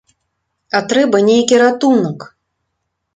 А трэба нейкі ратунак!